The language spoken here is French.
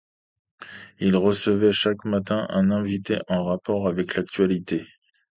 Il recevait chaque matin un invité en rapport avec l'actualité.